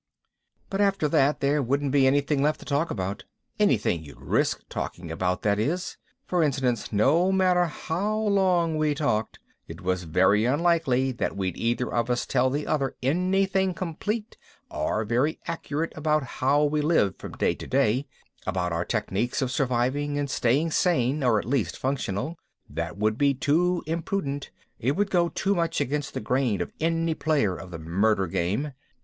But after that there wouldn't be anything left to talk about. Anything you'd risk talking about, that is. For instance, no matter how long we talked, it was very unlikely that we'd either of us tell the other anything complete or very accurate about how we lived from day to day, about our techniques of surviving and staying sane or at least functional that would be too imprudent, it would go too much against the grain of any player of the murder game.